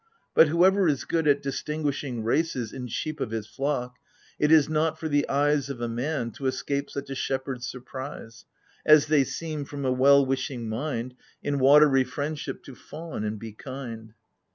But whoever is good at distinguishing races In sheep of his flock — it is not for the eyes Of a man to escape such a shepherd's surprise, As they seem, from a well wishing mind, In watery friendship to fawn and be kind.